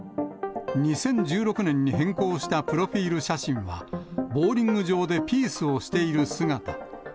２０１６年に変更したプロフィール写真は、ボーリング場でピースをしている姿。